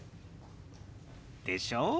でしょ？